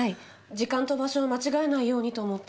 時間と場所を間違えないようにと思って。